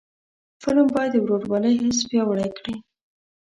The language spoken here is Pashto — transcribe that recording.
فلم باید د ورورولۍ حس پیاوړی کړي